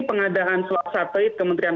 pengadaan slot satelit kementerian